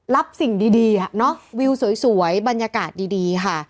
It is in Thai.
รับสิ่งดีวิวสวยบรรยากาศดีค่ะ